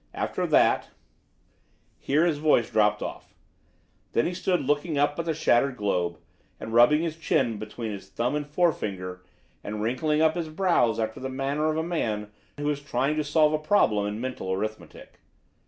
After that " Here his voice dropped off. Then he stood looking up at the shattered globe, and rubbing his chin between his thumb and forefinger and wrinkling up his brows after the manner of a man who is trying to solve a problem in mental arithmetic.